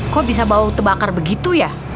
kok bisa bau terbakar begitu ya